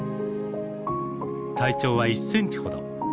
体長は１センチほど。